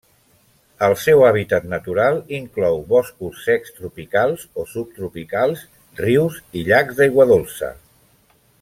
El seu hàbitat natural inclou boscos secs tropicals o subtropicals, rius i llacs d'aigua dolça.